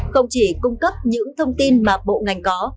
không chỉ cung cấp những thông tin mà bộ ngành có